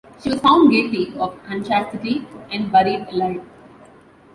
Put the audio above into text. She was found guilty of unchastity and buried alive.